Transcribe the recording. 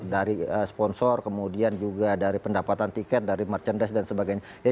dari sponsor kemudian juga dari pendapatan tiket dari merchandise dan sebagainya